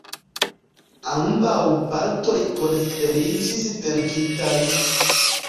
Ambaŭ partoj konsideriĝis venkintaj.